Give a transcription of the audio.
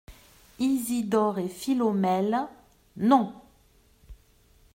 Isidore et Philomèle. — Non !